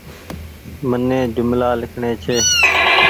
مني جملآ لکڻي ڇي